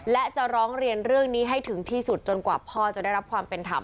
และจะร้องเรียนเรื่องนี้ให้ถึงที่สุดจนกว่าพ่อจะได้รับความเป็นธรรม